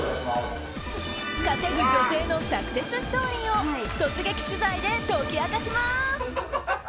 稼ぐ女性のサクセスストーリーを突撃取材で解き明かします。